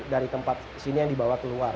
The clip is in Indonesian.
dari tempat sini yang dibawa keluar